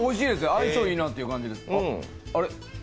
相性いいなっていう感じですよ？